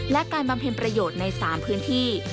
และการบำเพ็ญประโยชน์ใน๓พื้นที่